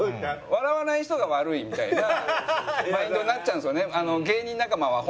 「笑わない人が悪い」みたいなマインドになっちゃうんですよね。